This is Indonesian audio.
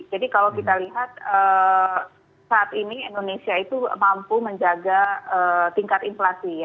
jadi kalau kita lihat saat ini indonesia itu mampu menjaga tingkat inflasi